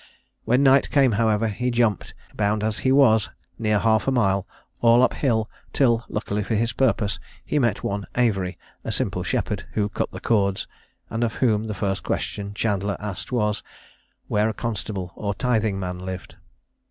When night came, however, he jumped, bound as he was, near half a mile, all up hill, till, luckily for his purpose, he met one Avery, a simple shepherd, who cut the cords, and of whom the first question Chandler asked was, where a constable or tything man lived.